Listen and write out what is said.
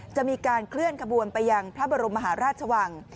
จะมีการเคลื่อนขบวนไปยังพระบรมมหาราชวัง